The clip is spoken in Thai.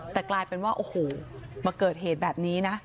แต่กลายเป็นว่าโอ้โหมาเกิดเหตุแบบนี้นะ